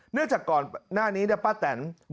เนื่องจากก่อนหน้านี้เนี่ยป้าแตนบอกเอาไว้แล้วว่า